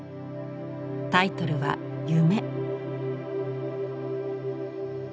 タイトルは「夢」。